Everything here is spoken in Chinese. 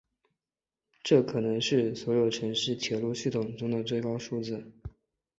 这可能是所有城市铁路系统中的最高数字。